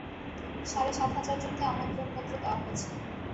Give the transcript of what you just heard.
সাড়ে সাত হাজার জনকে আমন্ত্রণপত্র দেওয়া হয়েছিল।